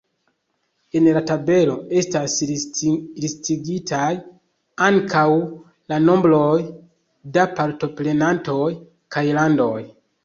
En la tabelo estas listigitaj ankaŭ la nombroj da partoprenantoj kaj landoj.